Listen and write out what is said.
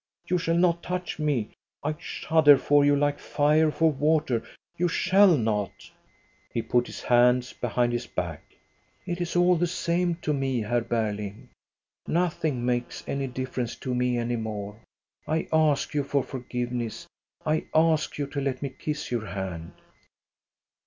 You shall not touch me. I shudder for you like fire for water. You shall not !" He put his hands behind his back. " It is all the same to me, Herr Berling. Nothing makes any difference to me any more. I ask you for forgiveness. I ask you to let me kiss your hand